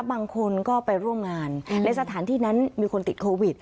บางคนก็ไปร่วมงานในสถานที่นั้นมีคนติดโควิด